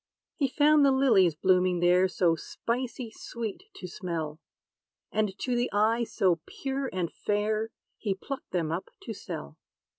He found the lilies blooming there So spicy sweet to smell, And to the eye so pure and fair, He plucked them up to sell.